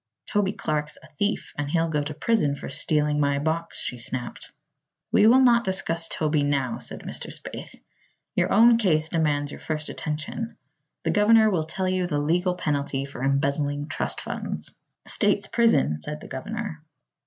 "Toby Clark's a thief, and he'll go to prison for stealing my box," she snapped. "We will not discuss Toby now," said Mr. Spaythe. "Your own case demands your first attention. The governor will tell you the legal penalty for embezzling trust funds." "State's prison," said the governor.